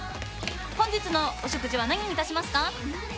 本日のお食事は何にいたしますか？